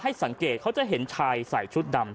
สังเกตเขาจะเห็นชายใส่ชุดดำ